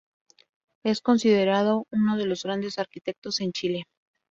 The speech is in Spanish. Es considerado uno de los Grandes Arquitectos en Chile.